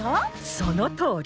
そのとおり！